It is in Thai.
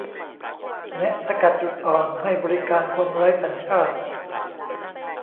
แนะสกัดจุดอ่อนให้บริการคนไร้สัญชาติ